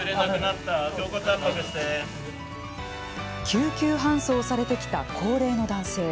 救急搬送されてきた高齢の男性。